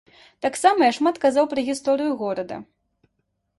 Таксама я шмат казаў пра гісторыю горада.